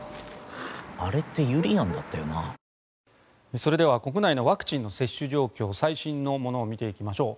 それでは国内のワクチンの接種状況最新のものを見ていきましょう。